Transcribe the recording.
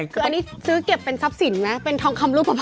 คืออันนี้ซื้อเก็บเป็นทรัพย์สินไหมเป็นทองคำรูปปะภาพ